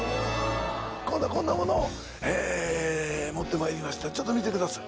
今度はこんなものをえ持ってまいりましたちょっと見てください